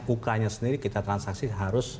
uk nya sendiri kita transaksi harus